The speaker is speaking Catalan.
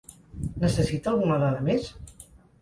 Necessita alguna dada més?